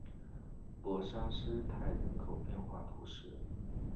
博沙斯泰人口变化图示